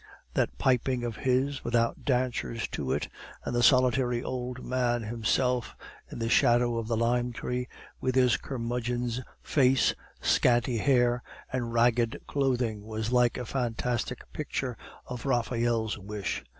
That piping of his, without dancers to it, and the solitary old man himself, in the shadow of the lime tree, with his curmudgeon's face, scanty hair, and ragged clothing, was like a fantastic picture of Raphael's wish.